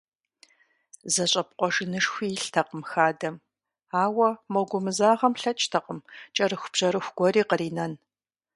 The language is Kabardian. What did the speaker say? ЗэщӀэпкъуэжынышхуи илътэкъым хадэм, ауэ мо гумызагъэм лъэкӀтэкъым кӀэрыхубжьэрыху гуэри къринэн.